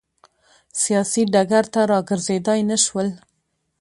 سیاسي ډګر ته راګرځېدای نه شول.